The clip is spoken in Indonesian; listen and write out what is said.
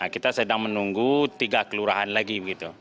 kita sedang menunggu tiga kelurahan lagi